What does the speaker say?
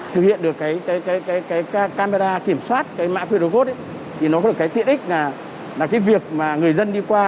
thực hiện được camera kiểm soát mã qr code thì có được tiện ích là việc người dân đi qua